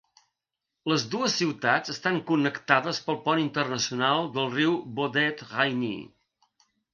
Les dues ciutats estan connectades pel pont internacional del riu Baudette - Rainy.